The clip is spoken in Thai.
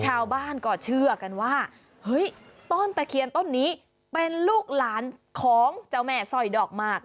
ชาวบ้านก็เชื่อกันว่าเฮ้ยต้นตะเคียนต้นนี้เป็นลูกหลานของเจ้าแม่สร้อยดอกมาก